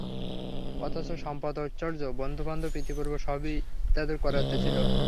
অথচ সম্পদ-ঐশ্বর্য, বন্ধু-বান্ধব ইতিপূর্বে সবই তাঁদের করায়ত্ত ছিল।